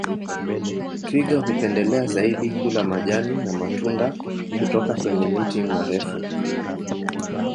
Twiga hupendelea zaidi kula majani na matunda kutoka kwenye miti marefu